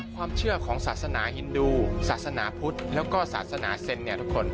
ความเชื่อของศาสนาฮินดูศาสนาพุทธแล้วก็ศาสนาเสนน์